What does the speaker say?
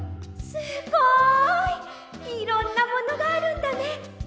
すごい！いろんなものがあるんだね！